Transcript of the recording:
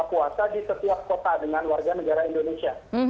buka puasa di setiap kota dengan warga negara indonesia